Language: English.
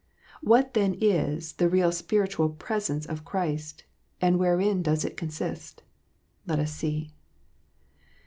What then is the real spiritual " presence " of Christ, and wherein does it consist ? Let us see.